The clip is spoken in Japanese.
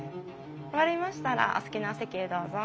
終わりましたらお好きなお席へどうぞ。